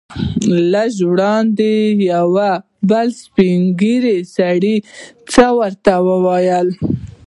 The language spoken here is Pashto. لږ وړاندې یو بل سپین ږیری ورته څه وویل.